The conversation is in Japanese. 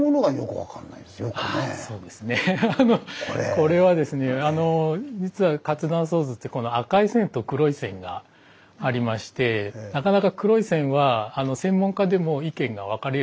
これはですね実は活断層図って赤い線と黒い線がありましてなかなか黒い線は専門家でも意見が分かれるところがあります。